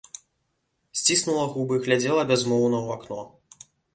Сціснула губы, глядзела бязмоўна ў акно.